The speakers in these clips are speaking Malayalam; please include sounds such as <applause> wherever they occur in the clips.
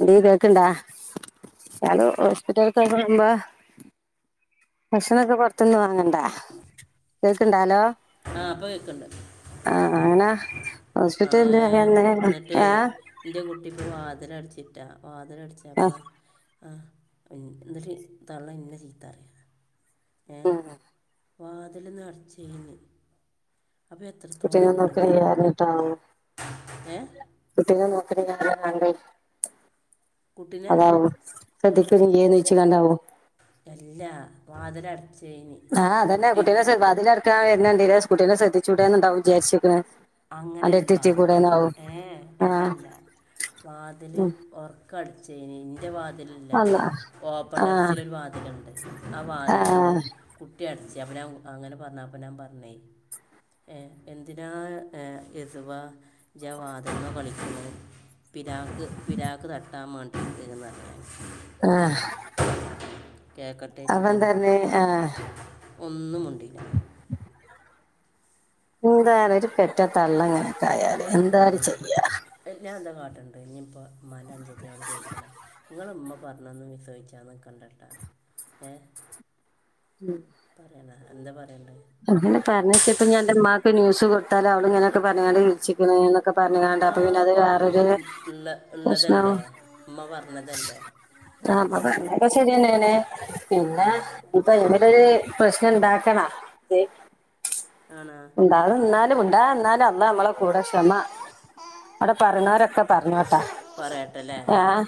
ഇന്റെ കേക്ക്ണ്ടാ. ആള് ഹോസ്പിറ്റലിലാക്കുമ്പ ഭക്ഷണൊക്കെ പൊറ്ത്ത്ന്ന് വാങ്ങണ്ട കേക്കുണ്ടാലോ ആഹ് ഇപ്പം കേക്ക്ണ്ട്. ആഹ് അങ്ങനാ ഹോസ്പിറ്റലീന്ന് <unintelligible> ആഹ് ഇന്റെ കുട്ടി ഇപ്പോ വാതില് അടിച്ചിട്ടാ വാതില് അട്ച്ചാ ആഹ് ഇപ്പം ആഹ് എന്ത് ചെയ്യ് തളള എന്നെ ചീത്ത പറ്യ ഏഹ് ഉം വാതില് <unintelligible> ന്നട്ച്ചേന്ന് അപ്പ കുട്ടീനെ എത്രത്തോളണ്ട് നോക്കണില്ലാഞ്ഞിട്ടാവും ഏഹ് കുട്ടികളെ നോക്ക്ണ കാര്യാറ്ഞ്ഞാണ്ടെ കുട്ടീനെ അതാവും ശ്രെദ്ധിക്ക്ണില്ലേന്ന് ചോയ്ച്ച് കണ്ടാവും. എല്ല വാതില് അട്ച്ചേനി ആഹ് അതന്നെ കുട്ടിനെ വാതിലടക്കാൻ വരുന്നണ്ടീലെ കുട്ടിനെ ശ്രദ്ധിച്ചുടെന്ന്ണ്ടാവു. വിചാരിച്ച്ക്ക്ണ് അന്റെടുത്ത് അങ്ങനല്ല എത്തിക്കൂടേന്നാവും ഏഹ് എ ആഹ് അതല്ല വാതില് ഉം പൊറ് കട്ച്ചേനി ഇന്റെ വാതില് അല്ല അള്ളാ ഓപ്പൺ ആഹ് ടെറസില് ഒരു വാതില്ണ്ട്. ആ വാതിലാണ്ട് ആഹ് കുട്ടി അട്ച്ച അപ്പം ഞാൻ അങ്ങനെ പറ്ഞ്ഞാ അപ്പം ഞാൻ പറ്ഞ്ഞേ. ഏഹ് എന്തിനാ എസുവാ ഇജാ വാതിലൊ <unintelligible> ന്ന് <unintelligible> കളിക്കുന്നത് പിരാക്ക് പിരാക്ക് തട്ടാൻ മേണ്ടീട്ട് എന്തെലും പറ് <unintelligible> ആഹ് കേൾക്കട്ടെ വെച്ചിട്ട് അപ്പം തന്നെ തറ്ന്ന് ആഹ് ഒന്നും മുണ്ടിയില്ല എന്താറി ഒരു പെറ്റ തള്ള ഇങ്ങനെ ഒക്കെ ആയാല് എന്താണ് ചെയ്യാ ഉം ഞാ എന്താ കാട്ട്ണ്ട്. ഇനി ഇപ്പം ഇമ്മാന്റെ അനുജത്തീനോട് ചോദിച്ച്ണെ ഇങ്ങളെ ഉമ്മ പറ്ഞ്ഞൊന്നു ഇഞ്ഞ് ചോയിച്ചാൻ നിക്കണ്ടട്ടൊ. എഹ്. ഉം പറ്യണ എന്ത പറയണ്ടെ അങ്ങനെ പറഞ്ഞച്ചപ്പം ഞാൻ ഇന്റെ ഇമ്മാക്ക് ന്യൂസ് കൊടുത്താല് അവൾ ഇങ്ങനൊക്കെ പറ്ഞ്ഞ്ക്കാണ്ട് വിളിച്ച്ക്ക്ണ് ഇന്നൊക്കെ പറ്ഞ്കാണ്ട്. ആ അപ്പ പിന്നെ അത് വേറൊരു കുഴപ്പം ഉള്ള പ്രശ്നം ഉള്ളതല്ലേ ഉമ്മ പറ്ഞ് ആഹ് പറ്ഞ്ഞൊക്കെ ശര്യന്നേണ് ആ പിന്നെ. ഇപ്പൊ എങ്ങനെക്കൊരു പ്രശ്നം ഇണ്ടാക്കണ അത് ആണൊ ണ്ടാതന്നാലും മുണ്ടാതെന്നാലം. നമ്മളെ കൂടെക്ഷമ അടെ പറിണോരൊക്കെ പറ്ഞ്ഞോട്ടെ. പറയട്ടെ അല്ലേ ആഹ്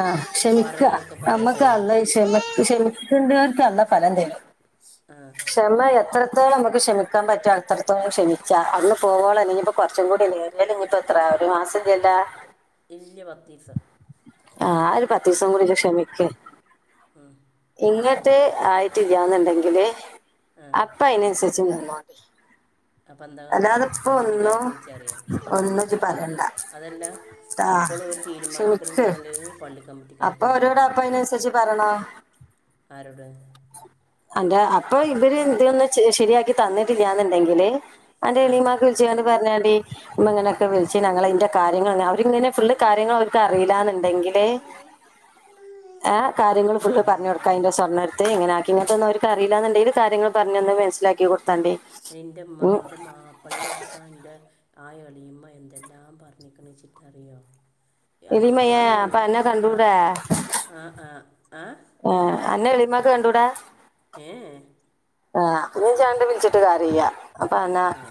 ആ ക്ഷമിക്ക പറയണൊക്കെ പറയട്ടെ അമ്മക്ക് അല്ലേ അള്ള ഇ ക്ഷമ ക്ഷമിക്ക്ണ്ടോര്ക്ക് അള്ള ഫലം തരും. ആഹ് ക്ഷമ എത്രത്തോളം നമുക്ക് ക്ഷമിക്കാൻ പറ്റ. എത്രത്തോളം ക്ഷമിച്ച. അന്ന് പോവോള അല്ലെങ്കിപ്പം കൊറ്ച്ചും കൂടി അല്ലെ ഏറ്യലും ഇഞ്ഞ്പ്പ എത്ര ഒരു മാസം ഇല്ല്യലാ. <inaudible> ഇല്ല്യ പത്തീസം. ആഹ് ആ ഒരു പത്തീസം കൂടി ഇഞ്ഞ് ക്ഷമിക്ക് ആഹ് ഇങ്ങട്ട് ആയിട്ടില്ലാന്നുണ്ടെങ്കില് ആ അപ്പ അതിനനുസരിച്ച് നിന്നോ അപ്പ എന്താ കാട്ടാ ഒന്നും കമ്മിറ്റിക്കാര്ക്ക് വിള്ച്ചറിയെ ഒന്നും ഇജ്ജ് പറയണ്ട അതല്ല ട്ടാ അപ്പൊളു ഓര് ക്ഷമിക്ക് തീരുമാനിക്കിണില്ലാന്ന്ണ്ടങ്ക്ല് പളളി കമ്മിറ്റിക്കാര്ക്ക് അപ്പൊ വിളിക്കേ അവരോട് അപ്പൊ അതിനനുസരിച്ച് ആരോട് അന്തേ അപ്പൊ ഇവര് ഇതിനൊന്നും ശെ ശരിയാക്കി തന്നിട്ടില്ലാന്ന് ണ്ടെങ്കില് അന്റെ ആ എളിയമ്മാക്ക് വിളിച്ച്ങ്ങാണ്ട് പർഞ്ഞാണ്ടി ഇമ്മ ഇങ്ങനൊക്കെ വിളിച്ചി ഞങ്ങളയിന്റെ കാര്യങ്ങളെ അവരിങ്ങനെ ഫുള്ള് കാര്യങ്ങൾ അവർക്ക് അറീല്ലാന്നുണ്ടെങ്കില് ആ കാര്യങ്ങള് ആ ഫുള്ള് പറഞ്ഞൊട് കയിന്റെ സ്വർണ്ണട്ത്ത് ഇങ്ങനെ ആകി ഇങ്ങൻതൊന്നും അവർക്കറിയില്ലാന്നുണ്ടെങ്കിൽ കാര്യങ്ങൾ പർഞ്ഞന്ന് മനസ്സിലാക്കി കൊടുത്താണ്ടി എൻ്റെമ്മ ഉം എൻ്റെ മാപ് പ്പ്ൾനടക്കം ഇൻ്റെ ആ എളീമ്മ എന്തെല്ലാം പറഞ്ഞിക്ക്ണ്ച്ചിട്ടറിയോ എലിമയെ അനിക്കാണ് ഞങ്ങ അപ്പൊ അന്നെ ആഹ് കണ്ടൂടെ ആഹ് ആഹ് ഏഹ് ഓ അന്നെ എളീമാക്ക് കണ്ടൂടാ ഏ ഏയ് ആഹ് ഇനി ഇജ്ജങ്ങട്ട് വിളിച്ചിട്ട് കാര്യല്ല അപ്പൊ എന്നാ ആ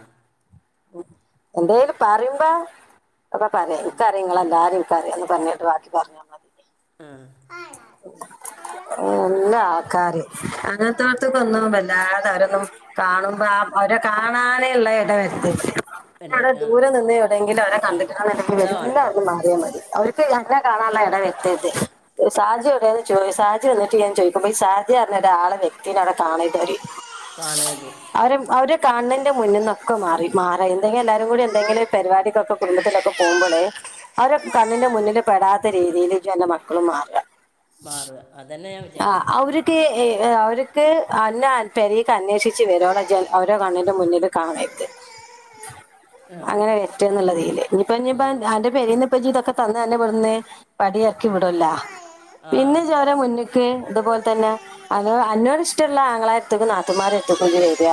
എന്തേലും പറയുമ്പോ അപ്പ പറിയ ൻക്കറിയ ഇങ്ങള എല്ലാരും കാര്യങ്ങൾ പറഞ്ഞിട്ട് ബാക്കി പറഞ്ഞോ ആഹ് നല്ല ആൾക്കാര് അങ്ങനത്തോട്ത്ത്കൊന്നും വല്ലാതെ അവരൊന്നും കാണുമ്പോ ആ അവരെ കാണാനേ ഇള്ളെ എട വര്തര്ത് അതെ അവിടെ ആ ദൂരെ നിന്ന് എവിടെങ്കിലും അവരെ ആ കണ്ടിട്ടാണെന്നുണ്ടെങ്കിൽ അതാ വേണ്ടത് മെല്ലവ്ട്ന്ന് മാറിയാ മതി അവര് <unintelligible> അന്നെ കാണാനുള്ള എട വെരുത്തരുത് സാജി എവിടേന്ന് ചോ സാജി വന്നിട്ടില്ലേന്ന് ചോദിക്കുമ്പോ ഈ സാജി അറഞ്ഞ ഒരാളെ വ്യക്തിനെ അവടെ കാണരുത് അവര് കാണേത് അവര് അവര് കാണ്ണന്റെ മുന്ന നിന്നൊക്കെ മാറി മാറ എന്തെങ്കിലും എല്ലാരരും കൂടി എന്തെങ്കിലും ഒരു പരിപാടികൊക്കെ കുടുംബത്തിലൊക്കെ പോകുമ്പോളേ അവര കണ്ണിന്റെ മുന്നിൽ പെടാത്ത രീതിയിൽ ജും അൻറ്റെ മക്കളും മാറാ മാറാ അതന്നെ ഞാൻ വിചാരിച്ചിരിക്ക്ണ് അവർക്ക് അവർക്ക് അന്ന പെരേക്ക് അന്വേഷിച്ച് വരോളം ജ്ജ് അവരെ കണ്ണിന്റെ മുന്നില് കാണര്ത് ഉം. അങ്ങനെ വറ്റ് എന്നുള്ളതില് ഇഞിപ്പോ ഇഞിപ്പ ഉം. അന്റെ പെരീന്ന് പജ്ജ് ഇതൊക്കെ തന്ന് അന്നെ ഇവിടുന്ന് പടി ഇറക്കി ആ. വിടൊല്ലാ ആ പിന്നെ ഇജ്ജോരെ മുന്നി ക്ക് അതുപോലെ തന്നെ അത് അന്നോട് ഇഷ്ടള്ള ആങ്ങളാരെട്ത്തുക്കും നാത്തുമാരെ ത്ത്ക്കും ഇഞ്ജ് വരിക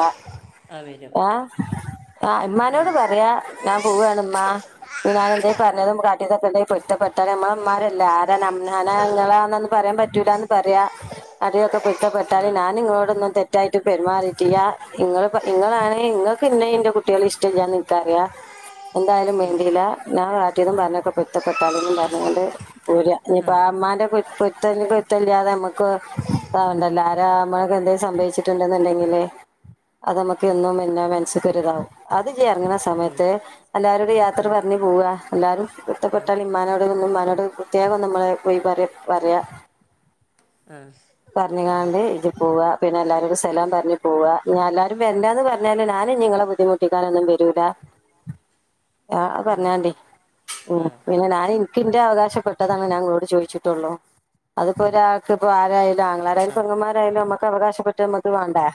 ആ വരും ഹേ ആഹ് ഉം. ഇമ്മാനോട് പറയാ ഞാൻ പോവാണ് മ്മാ ആ പി ഞാൻ എന്തേം പറഞ്ഞതും കാട്ടിയതൊക്കെ ഇണ്ടെ പൊരുതപ്പെട്ടളിമ്മാ ഞമ്മളെ ഉമ്മാരല്ലേ ആരാ നംനാ നാ നിങ്ങളാന്നന്ന് പറയാൻ പറ്റൂലന്ന് പറയാ അടിയൊക്കെ പൊരുത്തപ്പെട്ടാളി ഞാൻ നിങ്ങളോടൊന്നും തെറ്റായിട്ട് പെരുമാറിയിട്ടില്ല ഇങ്ങളിപ്പൊ ഇങ്ങളാണ് ഇങ്ങക് ക്ക് ഇന്നെ ഇന്റെ കുട്ടിയോളിം ഇഷ്ട്ടയില്ലാന്നെനിക്കറിയ എന്തായാലും ഉം. വേണ്ടീല്ല ഞാൻ കാട്ടിയതും പറഞ്ഞൊക്കെ പെരുത്തപ്പെട്ടാലുംന്ന് പറഞ്ഞുകണ്ട് പോര ആ പ്പാ ഉമ്മാൻ്റെ പൊര് പൊരുത്തം പൊരുത്തല്ലാതെ ഞമ്മക്ക് <unintelligible> ല്ലോ ആരാ അമ്മളൊക്കെ എന്തെങ്കും സംഭവിച്ചിട്ടുണ്ടെന്നുണ്ടെങ്കില് അതമ്മക്ക് എന്നും പിന്നെ മനസ്സക്ക് ഒരുതാവും അത് ഇജ്ജ് ഇറങ്‌ണ ഉം. സമയത്ത് എല്ലാരോടും യാത്ര ആ പറഞ്ഞു പോവുക എല്ലാരും ആ പൊരുത്തപ്പെട്ടാലും ആ ഇമ്മാനോടും ഉമ്മാനോടും പ്രത്യേകം നമ്മള് പോയിപറിയാ പറയാ ആഹ് പറഞ്ഞുകാണ്ട് ഇജ് പോവാ പിന്നെ എല്ലാരോടും സലാം പറഞ്ഞ് പോവാ എല്ലാവരും വരണ്ടാന്ന് പറഞ്ഞാല് ഞാൻ ഇനി നിങ്ങളെ ബു ബുദ്ധിമുട്ടിക്കാനൊന്നും വരൂലാ ലാ ആഹ് അത് പറഞ്ഞാണ്ടി ഉം ആ പിന്നെ ഞാൻ എനിക്ക് ഇന്റെ അവകാശപ്പെട്ടതാണ് ഞാൻ ചോദിച്ചിട്ടുള്ളോ അതിപ്പോ ഒരാൾക്ക് ഇപ്പ ആരായാലും ആങ്ങളമാരായാലും ആ പെങ്ങമ്മാരായാലും യാലും നമ്മുക്ക് അവകാശപ്പെട്ടത് നമുക്ക് വേണ്ടേ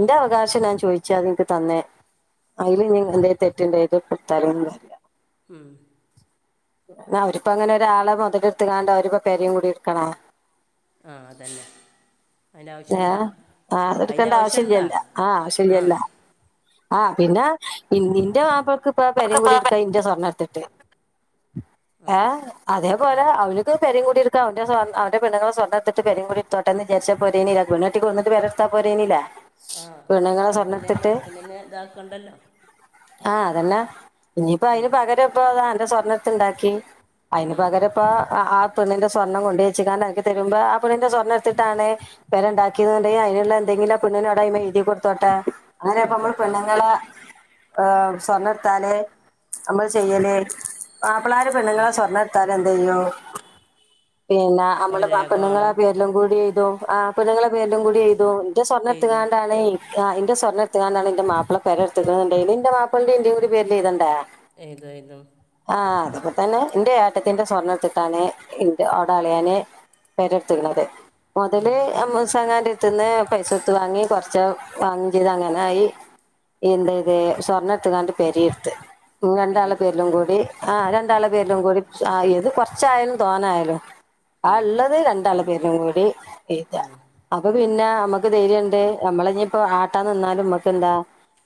ആ അവകാശം ഞാൻ ചോദിച്ചു അതെനിക്ക് തന്ന് അതില് ഇനി എന്റെ തെറ്റുണ്ടങ്കില് എനിക്ക് പുത്തരി ഒന്നുമില്ല ഉം. അവരിപ്പോ അങ്ങനെ ഒരാളെ മുതലെടുത്ത് കാണ്ട് അവരിപ്പോ പെരയും കുടിം എടുക്കണോ ആഹ് അതന്നെ അതിൻ്റെ ഏഹ് ആവശ്യമുണ്ടോ ആഹ് അതിൻ്റെ താന്നുകൊടുക്കേണ്ട ആവശ്യമുണ്ടോ ആവശ്യമില്ലല്ലോ ആഹ് ആ ആവശ്യമില്ലല്ലോ ആഹ് പിന്നെ നിന്റെ വാപ്പക്ക് ഇപ്പ പെരയും കൂടി എടുക്കാ എന്റെ സ്വർണ്ണം എടുത്തിട്ട് ഉ <inaudible> ആ ഏഹ് ആ അതേപലെ അവനിക്ക് പെരയും കുടിം എടുക്ക അവൻ സ്വർഅവന്റെ പെണ്ണുങ്ങളുടെ സ്വണ്ണമെടുത്തിട്ട് പെരയും കുടീം എടുത്തോട്ടെന്ന് വിചാരിച്ചാൽ പോരേനില്ല പെണ്ണ് കെട്ടി കൊണ്ടുവന്നിട്ട് പെരട്ത്താ പോരേനില്ലേ ആ അതിന് മുന്നന്നെ മുന്നന്നെ ഇതാക്കണ്ടല്ലോ ആഹ് അതന്നെ ഇനിയിപ്പോ ഉം, അതിന് പകരം ഇപ്പം അന്റെ സ്വർണ്ണം എടുത്ത് ഉണ്ടാക്കി അതിന് ഉം. പകരം ഇപ്പൊ ആ പെണ്ണിന്റെ സ്വർണം കൊണ്ടു വെച്ച്ക്കാണ്ട് നിനക്ക് തരുമ്പോ ആ പെണ്ണിന്റെ സ്വർണ്ണം എടുത്തിട്ടാണ് പെര ഉണ്ടാക്കിയത്ണ്ടെ അതിനുള്ള എന്തെങ്കിലും ആ പെണ്ണിന് ഓല് അയിമേൽ എഴുതി കൊടുത്തോട്ടെ അങ്ങനെ ഇപ്പോ നമ്മൾ കൊടുത്തോട്ടെ പെണ്ണുങ്ങളെ സ്വർണ്ണം എടുത്താല് നമ്മള് ചെയ്യലേ മാപ്പിളമാരു ആ പെണ്ണുങ്ങളെ സ്വർണ്ണം എടുത്താല്എന്താ ചെയ്യും പിന്നെ ഒരു നമ്മള് ആ രേഖ പെണ്ണുങ്ങളെ വേണം പേരിലും കൂടി എഴുതും ആ പെണ്ണുങ്ങളെ പേരിലും കൂടി എഴുതും ഇന്റെ സ്വർണം എടുത്തു എഴുതും കാണ്ടാണ് ആ എൻ്റെ സ്വർണ്ണം എടുത്തക്കാണ്ടാണ് എന്റെ മാപ്പള പെര എടുത്തേക്കണങ്കിൽ എന്റെ മാപ്പിളന്റെയും എൻ്റെയും കൂടി പേരില് എഴുതണ്ടേ എഴുതും എഴുതും ആഹ് അതിപ്പോ തന്നെ എൻ്റെ ഏട്ടത്തിന്റെ സ്വർണം എടുത്തിട്ടാണ് എൻ്റെ അവിടെ അളിയന് പെര എടുത്തിരിക്കുന്നത് ഉം, മുതല് അമ്മൂസാക്കാങ്ങടുത്ത് നിന്ന് പൈസ കൊടുത്ത് വാങ്ങി കൊറച്ചു വാങ്ങുകയും ചെയ്ത് അങ്ങനെ ആയി എൻ്റെ ഇത് സ്വർണത്തക്കാണ്ട് പെര എടുത്ത് നമ്മ രണ്ടു ആളെയും പെരിയെടുത്ത് പേരിലും കൂടി ആഹ് ഉം, രണ്ടാളെ പേരിലും കൂടി ആ ഇത് കൊറച്ചായാലും തോനെ ആയാലും ആ ഉം, ഉള്ളത് രണ്ടാള പേരിലും കൂടി എഴുതി ഉം. അപ്പൊ പിന്നെ നമ്മുക്ക് ധൈര്യം ഉണ്ട് നമ്മള ഇപ്പ ആട്ടാൻ നിന്നാലും നമ്മക്ക് എന്താ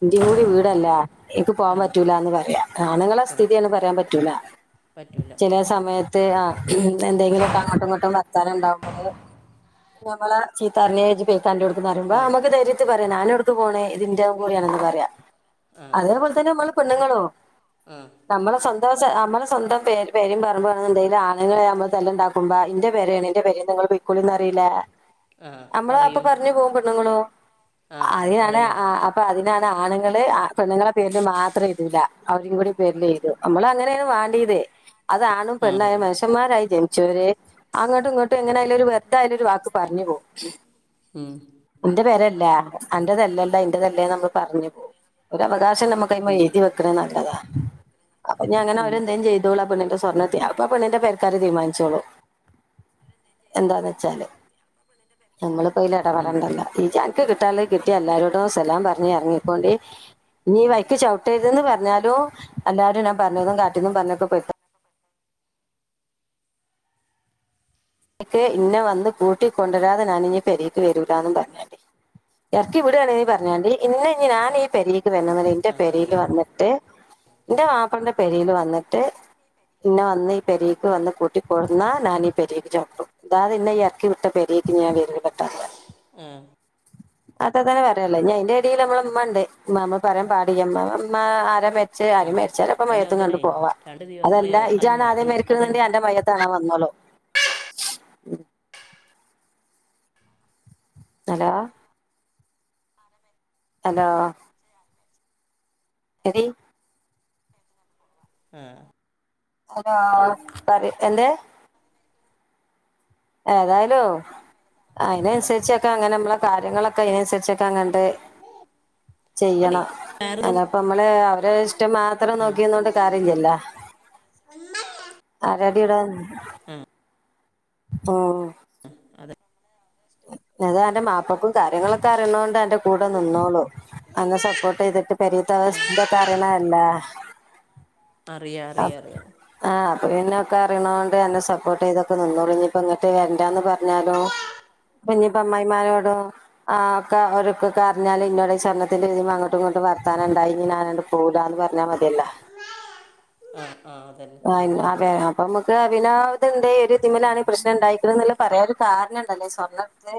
എൻ്റെയും കൂടി വീടല്ലേ എനിക്ക് പോവാൻ ആ പറ്റൂല എന്ന് പറയാ ആണുങ്ങളെ ആ സ്ഥിതിയൊന്നും പറയാൻ പറ്റൂല പറ്റൂല ചില സമയത്ത് ആഹ് എന്തെങ്കിലും ഒക്കെ അങ്ങോട്ടും ഇങ്ങോട്ടും വർത്താനം ഉണ്ടാവുമ്പോള് ഞമ്മളെ ചീത്ത പറഞ്ഞു ഇജി പെയ്ക്കോ അന്റോട്ന്ന് പറയുമ്പോൾ ഉം, നമുക്ക് ദൈര്യത്തിൽ പറയാം ഞാൻ എവിടേക്ക് പോണേ ഇത് എൻ്റെ കൂടെ ആണെന്ന് പറയാ ആ അതേപോലെ തന്നെ നമ്മൾ പെണ്ണുങ്ങളും ആ നമ്മളെ സ്വന്തം നമ്മളെ സ്വന്തം പെരയും പറമ്പും അങ്ങനെ എന്തെലും ആണുങ്ങളെ ആകുമ്പോൾ നമ്മള് തല്ലുണ്ടാക്കും ക്കുമ്പോ ഇന്റെ പെരേണ് എന്റെ പെരേണ് നിങ്ങള് പെയ്ക്കോളിന്ന് പറയൂലെ ആ നമ്മള് അപ്പൊ പറയും പറഞ്ഞു പോകും പെണ്ണുങ്ങളും ആ അതിനാണ് പറയൂ അപ്പൊ അതിനാണ് ആണുങ്ങള് ആ പെണ്ണുങ്ങളുടെ പേരില് മാത്രം എഴുതൂല്ല അവരയും കൂടി പേരില് എഴുതും നമ്മൾ അങ്ങനെയാണ് വേണ്ടിയത് അതാണും ആ പെണ്ണുമായ മനുഷ്യന്മാരായി ജനിച്ചവരെ അങ്ങോട്ടും ഇങ്ങോട്ടും എങ്ങനൊയാലും ഒരു വെറുതെ ആയാലും ഒരു വാക്ക് പറഞ്ഞ് പോവും ഹും ന്റെ പെരല്ല അന്റതല്ലല്ലോ ഇന്റതല്ലേ നമ്മൾ പർഞ് പോവും ഒരവകാശം നമ്മ പ്പ ഉം ഉം മ്മെയ്തി വെക്ക്ണത് നല്ലത അപ്പ ഞങ്ങനെ ഉം അവര് എന്തേ ചെയ്തോളും ആ പെണ്ണിന്റെ സ്വർണ്ണത്തിന് അത് പ്പൊ പെണ്ണ്ന്റെ പെരക്കാര് തീരുമാനിച്ചോളും അവരെന്തേലും ചെയ്തോളും ആ പെണ്ണിന്റെ സ്വർണ്ണത്തിന് നമ്മളിപ്പയ്ൽ എടപെടണ്ടല്ലോ ഇജ്ജ്‌ അൻക്ക് കിട്ടാള്ളത് കിട്ടി ആ എല്ലാരോടും സലാം പർഞ് എർങ്ങിക്കോണ്ടി ഇഞ്ഞീ ഉം. വയ്ക്ക് ചവ്ട്ടര്ത്ന്ന് പർഞാലും എല്ലാരും ഞാൻ പർഞ്ഞതും കാട്ട്യേതും പർഞതൊക്കെ പൊര്ത്തപ്പെ ക്ക് ഇന്നെ വന്ന് കൂട്ടി കൊണ്ടരാതെ ഞാനിഞ്ഞി പെരേക്ക് വെരൂല്ലാന്നും പർഞാണ്ടി എർക്കിവിടാണെങ്കി പർഞ്ഞാണ്ടി ഇന്നെ നി ആ, ഞാനീ പെരേക്ക് വെര്ണംന്ന്ണ്ടെങ്കി ന്റെ ആ പെരെല് പറയാം വന്ന്ട്ട് ന്റെ മാപ്ലന്റെ പെരേല് വന്ന്ട്ട് ഇന്നെ വന്ന് ഈ പെരേക്ക് വന്ന് കൂട്ടി കൊട്ന്ന ഞാനീ പെരേക്ക് ചൗ ട്ടും താതെ ഇന്നെ ഈ എർക്കി വിട്ട പെരേക്ക് ഞാൻ വെരൂലട്ടോ ന്ന് പർഞാണ്ടി ആ അത്രത്തെന്നെ പറയാള്ളത് ഞ്ഞി അയ്ന്റെ എടേല് നമ്മളെ മ്മ ണ്ട് മ്മ ഞമ്മള് പറയാൻ പാടില്ല ഇ മ്മ ഇ മ്മ ആരാ മരിച്ചത് ആ ആര് മരിച് ച്ചാണെങ്കി അതിന് മയ്യത്തും കണ്ട് അതല്ലേ പോവാ രണ്ട് ദിവസം അതല്ല ഇജ്ജാണ് അതല്ല ആദ്യം രൺ- മരിക്കണംന്ന്ണ്ടെങ്കി അതല്ല അന്റെ മയ്യത്ത് കാണാൻ വന്നോളും <inaudible> ഹലോ ഹലോ എതി ആ അതാ അത്ര പറയും എന്ത്‌ ഏതായാലും ആ അയ്നൻസരിച്ച് ക്കെ അങ്ങനെ നമ്മളെ കാര്യങ്ങളൊക്കെ അയ്നനുസരിച്ചൊക്കെങ്ങട്ട് അല്ലേ ചെയ്യണം വേറെ ദിവസം അല്ലാപ് പ്പമ്മള് അവരെ ഇഷ്ടം മാത്രം ആ നോക്കിന്നോണ്ട് കാര്യല്ലല്ലൊ <unintelligible> ആ ആ ഉം അതെ അതാ അന്റെ മാപ്ലക്കും കാര്യങ്ങളൊക്കെ അറിയുന്നോണ്ട് അന്റെ കൂടെ നിന്നോളും അന്നെ സപ്പോട്ടെയ്ത്ട്ട് പെരേത്തെ അവസ് തൊക്കെ അറിയ്ണതല്ലെ അറിയാ അറിയാ അറിയാ ആഹ് അപ്പൊ പിന്നെ ഒക്കെ അറിയണോണ്ട് അന്നെ സപ്പോട്ടെയ്തൊക്കെ നിന്നോളും ഞ് പ്പ ഇങട്ട് വെര്ണ്ടാന്ന് പർഞ്ഞാലും പ്പിഞ്ഞിപ്പ അമ്മായിമ്മാനോടും ആ ഒക്കെ ഓരൊക്കൊക്കെ അർഞാല് ഇന്നോട് ഈ സ്വർണ്ണത്തിന്റെ തിമ്മെ അങ്ങോട്ടു ഇങൊട്ടൊക്കെ വർത്താനണ്ടായി ഞ്ഞി ഞാനണ്ട് പോ പോവൂല്ല ന്ന് പർഞ്ഞാ മതിയല്ലോ ആ ആ അതെന്നെ അ അതെ അപ്പൊ നമ്മക്ക് പിന്നെ ത്ണ്ട് ഒരു ഇതിമ്മിലാണീ പ്രശ്നം ണ്ടായിക്ക്ണ് ന്ന്ള്ളത് പറയാനൊരു കാരണണ്ടല്ലേ ഈ സ്വർണ്ണ ത്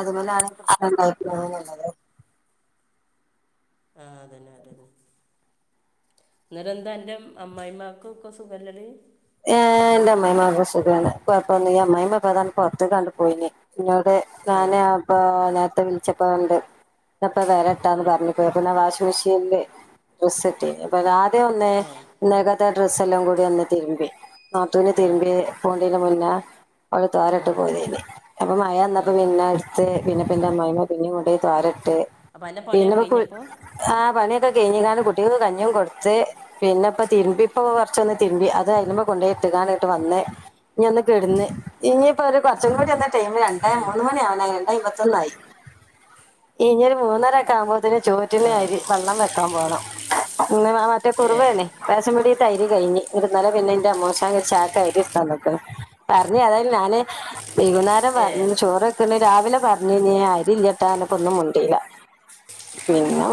അത്‌മ്മലാണ് ഈ പ്രശ്നണ്ടായിക്ക്ണ് ആ ന്ന്ള്ളത് ആ അതെന്നെ അതെന്നെ ന്ന് ട്ടെന്താ അൻ്റെ അമ്മായിമ്മാക്കൊക്കെ സുഖല്ലെ ടി ഏ എന്റെ അമ്മായിമ്മാക്ക് സുഖാണ് കൊയപ്പൊന്നുല്ല അമ്മായിമ്മപ്പതാണ്ട് പൊർത്തണ്ട്പോയിന് ഇന്നോട് ഏ ഞാന് അപ്പൊ നേര്ത്തെ വിളിച്ചപ്പോ അത്ണ്ട് ഞാപ്പ വെരാ ട്ടോ ഉം, പർഞ് പോയി അപ്പൊ ന്ന വാഷിമിഷീൻല് ഡ്രസ്സ്ട്ടീനു അപ്പതാദ്യോന്ന് ഏ ഇന്നേക്കത്തെ ഡ്രസ്സെല്ലം കൂടി ഒന്ന് തിര്മ്പി നാത്തൂന് ആ തിര്മ്പി പോണ്ടീന്റെ മുന്നേ അവള് ആ തോരട്ട് പോയതേനി അപ്പൊ മഴ വന്നപ്പോ ഉം. പിന്നെ ഇട്ത്ത് പിന്നെ പ്പ ന്റെ അമ്മായിമ്മ പിന്നിം കൊണ്ടോയി തോരട്ട് അപ്പം എൻ്റെ പിന്നെ പണിയൊക്കെ പ്പൊ കു കഴിഞ്ഞപ്പോൾ ആ പണിയൊക്കെ കെയ്ഞ്ക്കാണ്ട് കുട്ട്യാക്ക് കഞ്ഞി കൊട്ത്ത് പിന്നെപ്പ തിരുമ്പിപൂ കുറച്ചൊന്ന് തിരുംപി അത്അയലിന് മാൽകൊണ്ട് ഇട്ട് കാനിട്ട് വന്നേ ഞ ഒന്ന് കിടന്ന് ഇനിയിപ്പോ ഒരു കുറച്ച കുടി ഒന്ന് ടൈമ് രണ്ടായി മൂന്ന് മണിയാവന്നായി രണ്ടായിപത്തൊന്നായി ഇനിഒരു മൂന്നരൊക്കെ ആകുമ്പോത്തിന് ചോറ്റിന് ആ അരി വെള്ളം വെക്കാൻ പോണം പിന്നെ ആ മാറ്റെ ഏ കുറവേണ് റേഷൻ പിടിതെ അരി കഴിഞ് ഇന്നലെ പിന്നെ എൻ്റെ അമ്മോശന ഒരുചാക്ക് അരി ഇട്ത്ത് തന്ന്ട്ട് പറഞ് ഏതായാലും ഞാന് വൈകുന്നേരം ഏ പറഞ്ഞ് ചോറ്ക്കണ് രാവിലെ പറഞ്ഞീന്ന് അരില്ലേട്ടാ പറഞ്ഞപ്പൊ ഒന്നും മുണ്ടില്ല പിന്നെ പിന്ന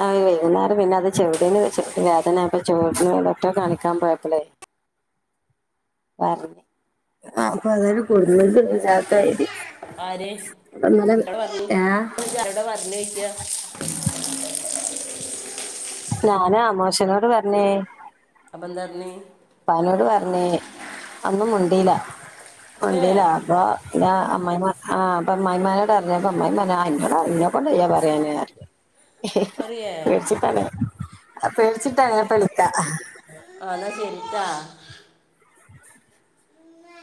വൈകുന്നേരം പിന്നെ അത് ചെവ്ടന്ന് വെച്ചപ്പാ വേദന അപ്പ ചോട്നോട്‌ ഡോട്രെ കാണിക്കാൻ പോയപ്പളെ പറഞ്ഞ് അപ്പൊ അതരു കൊട്ന്ന്ണ്ട് ഒരു ചാക്ക് അരി ആര് എന്നോട് പറഞ്ഞി ഏ <unintelligible> ആരോടാ പറഞ്ഞയ്ക്കാ ഞാന അമ്മോശനോട് പറഞ്ഞേ അപ്പൊ എന്താ പറഞ് ഇപ്പാനോട് പറഞ്ഞേ ഒന്നും മുണ്ടീല ഏ മുണ്ടീല അപ്പൊ ഇതാ അമ്മായിമ്മ ആ ആപ്പൊ അമ്മായിമ്മാനോട് പറഞ്ഞപ്പൊ അമ്മായിപറയാ എന്റെട ഇന്നെക്കൊണ്ട് വയ്യ പറയാന് പറഞ്ഞു പറയേ പേടിച്ചിട്ടാണ് ആ പേടിച്ചിട്ടാണ് ഞാന്പ്പ വിളിക്കാ ആ ആ എന്നാ ശെരിട്ടാ